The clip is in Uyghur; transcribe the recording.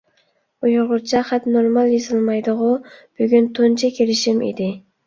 ئۇيغۇرچە خەت نورمال يېزىلمايدىغۇ؟ بۈگۈن تۇنجى كىرىشىم ئىدى.